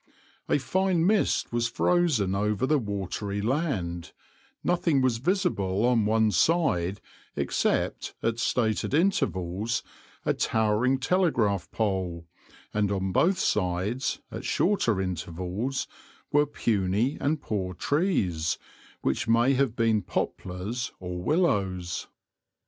A fine mist was frozen over the watery land, nothing was visible on one side except, at stated intervals, a towering telegraph pole, and on both sides, at shorter intervals, were puny and poor trees which may have been poplars or willows.